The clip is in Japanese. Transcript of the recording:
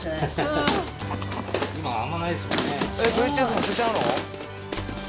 えっＶＨＳも捨てちゃうの？